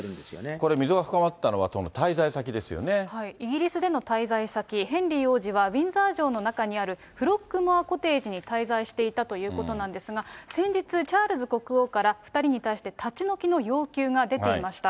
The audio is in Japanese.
これ、溝が深まったのはそのイギリスでの滞在先、ヘンリー王子は、ウィンザー城の中にある、フロッグモア・コテージに滞在していたということなんですが、先日、チャールズ国王から２人に対して立ち退きの要求が出ていました。